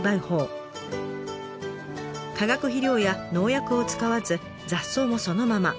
化学肥料や農薬を使わず雑草もそのまま。